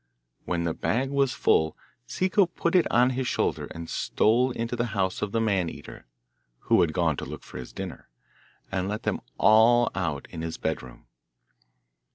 When the bag was full Ciccu put it on his shoulder and stole into the house of the Man eater (who had gone to look for his dinner) and let them all out in his bedroom.